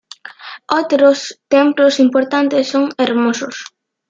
Otros templos importantes son hermosos.